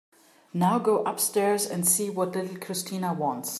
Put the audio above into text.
Now go upstairs and see what little Christina wants.